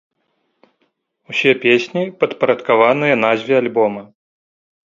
Усе песні падпарадкаваныя назве альбома.